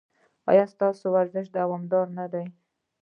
ایا ستاسو ورزش دوامدار نه دی؟